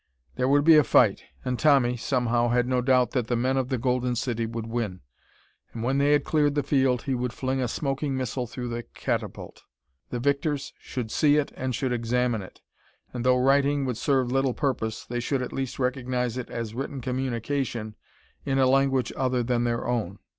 There would be a fight, and Tommy, somehow, had no doubt that the men of the Golden City would win. And when they had cleared the field he would fling a smoking missile through the catapult. The victors should see it and should examine it. And though writing would serve little purpose, they should at least recognize it as written communication in a language other than their own.